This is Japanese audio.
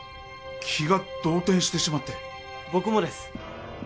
気が動転してしまって僕もです